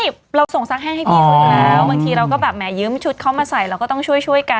บางทีเราก็แบบแมียตชุดเข้ามาใส่แล้วก็ต้องช่วยกัน